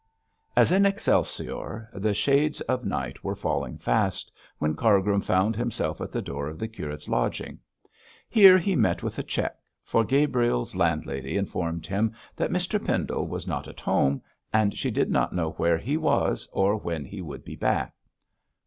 As in Excelsior, the shades of night were falling fast, when Cargrim found himself at the door of the curate's lodging. Here he met with a check, for Gabriel's landlady informed him that Mr Pendle was not at home, and she did not know where he was or when he would be back.